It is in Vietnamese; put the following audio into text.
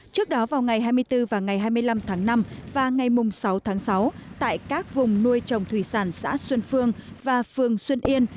trước đó vào ngày hai mươi bốn và ngày hai mươi năm tháng năm và ngày sáu tháng sáu tại các vùng nuôi trồng thủy sản xã xuân phương và phường xuân yên